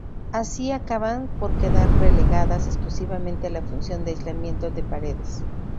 Así acaban por quedar relegadas exclusivamente a la función de aislamiento de paredes.